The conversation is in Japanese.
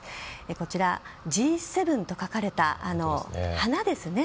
こちら、「Ｇ７」と描かれた花ですね。